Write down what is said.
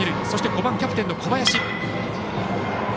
そして５番キャプテンの小林。